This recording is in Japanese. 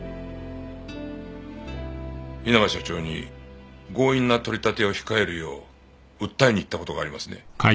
稲葉社長に強引な取り立てを控えるよう訴えに行った事がありますね？